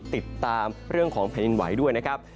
ติดตามเรื่องของแผ่นดินไหวด้วยนะครับ